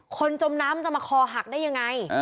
จมน้ำจะมาคอหักได้ยังไง